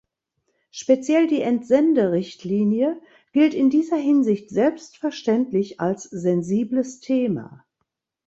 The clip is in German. Speziell die Entsenderichtlinie gilt in dieser Hinsicht selbstverständlich als sensibles Thema.